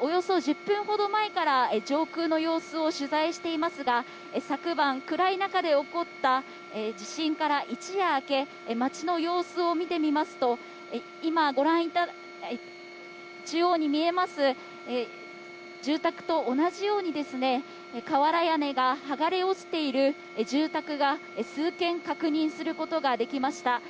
およそ１０分ほど前から上空の様子を取材していますが、昨晩、暗い中で起こった地震から一夜明け、街の様子を見てみますと、今、中央に見えます住宅と同じように瓦屋根がはがれ落ちている住宅が数件確認することができました。